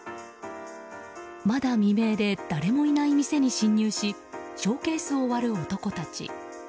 まだ未明で誰もいない店に侵入しショーケースを割る男たち。